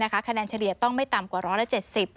คะแนนเฉลี่ยต้องไม่ต่ำกว่า๑๗๐